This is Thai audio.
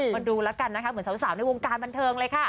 มาดูแล้วกันนะคะเหมือนสาวในวงการบันเทิงเลยค่ะ